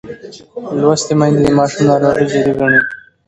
لوستې میندې د ماشوم ناروغي جدي ګڼي.